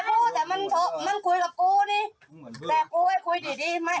พ่อพ่อพ่อพี่มาพ่อพี่มา